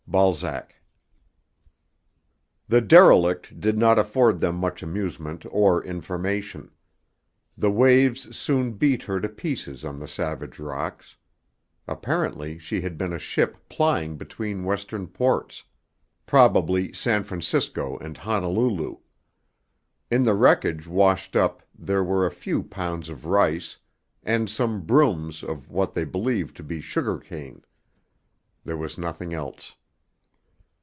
BALZAC. The derelict did not afford them much amusement or information. The waves soon beat her to pieces on the savage rocks. Apparently she had been a ship plying between Western ports, probably San Francisco and Honolulu. In the wreckage washed up there were a few pounds of rice, and some brooms of what they believed to be sugar cane. There was nothing else.